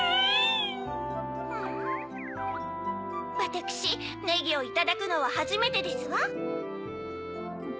わたくしネギをいただくのははじめてですわ。